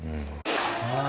ああ！